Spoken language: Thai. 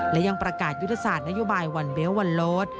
และยังประกาศยุทธศาสตร์นโยบายวันเบลต์วันโลด